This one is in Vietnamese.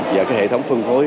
và cái hệ thống phân phối